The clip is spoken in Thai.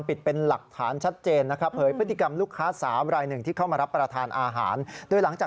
แต่ต้องบอกว่าเธอก็ทานข้าวอะไรไปเรื่อยนะ